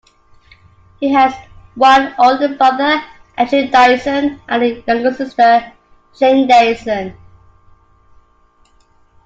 He has one older brother, Andrew Dyson, and a younger sister, Jayne Dyson.